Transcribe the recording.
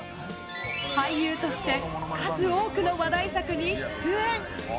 俳優として数多くの話題作に出演。